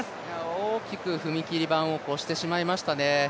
大きく踏み切り板を越してしましましたね。